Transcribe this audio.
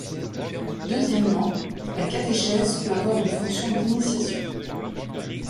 Deuxièmement, la catéchèse peut avoir une fonction d’initiation.